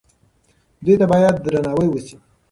دوی ته باید درناوی وشي.